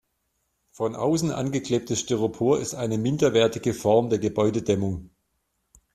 Von außen angeklebtes Styropor ist eine minderwertige Form der Gebäudedämmung.